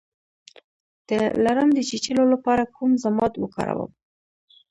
د لړم د چیچلو لپاره کوم ضماد وکاروم؟